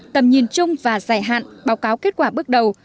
tầm nhìn chung và dài hạn báo cáo kết quả bước đầu